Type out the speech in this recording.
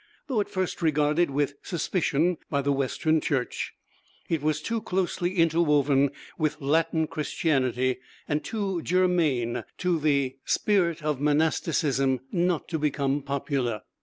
Though at first regarded with suspicion by the Western Church, it was too closely interwoven with Latin Christianity, and too germane to the spirit of monasticism, not to become popular.